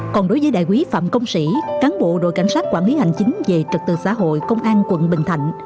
còn đối với đại quý phạm công sĩ cán bộ đội cảnh sát quản lý hành chính về trật tự xã hội công an quận bình thạnh